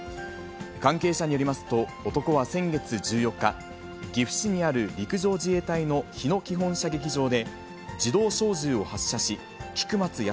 関係者によりますと、男は先月１４日、岐阜市にある陸上自衛隊の日野基本射撃場で、自動小銃を発射し、菊松安